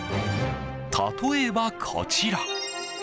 例えば、こちら。